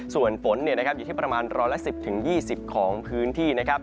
ส่วนฝนอยู่ที่ประมาณ๑๑๐๒๐ของพื้นที่นะครับ